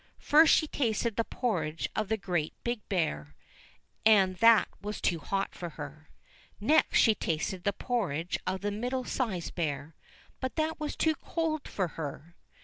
First she tasted the porridge of the Great Big Bear, and that was too hot for her. Next she tasted the porridge of the Middle sized Bear, but that was too cold for her.